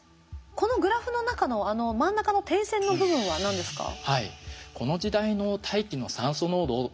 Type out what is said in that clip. このグラフの中のあの真ん中の点線の部分は何ですか？